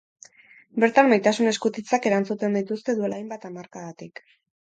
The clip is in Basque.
Bertan maitasun eskutitzak erantzuten dituzte duela hainbat hamarkadatik.